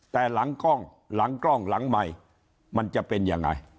แต่หลังกล้องหลังกล้องหลังใหม่มันจะเป็นยังไง